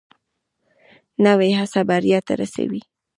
نوې هڅه بریا ته رسوي